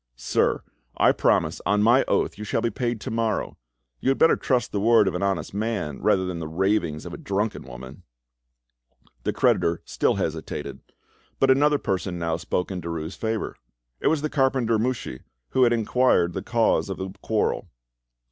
"Sir, I promise on my oath you shall be paid tomorrow; you had better trust the word of an honest man rather than the ravings of a drunken woman." The creditor still hesitated, but, another person now spoke in Derues' favour; it was the carpenter Mouchy, who had inquired the cause of the quarrel.